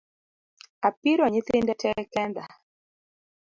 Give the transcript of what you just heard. Apiro nyithinde tee kenda